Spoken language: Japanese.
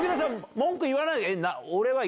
文句言わない？